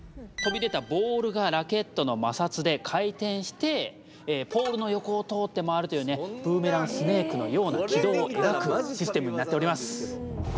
飛び出たボールがラケットの摩擦で回転してポールの横を通って回るというねブーメランスネイクのような軌道を描くシステムになっております。